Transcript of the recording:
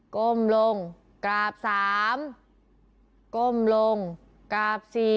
ก้มลงกราบ๓ก้มลงกราบ๔